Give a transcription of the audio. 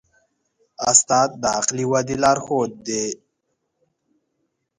استاد د عقلي ودې لارښود دی.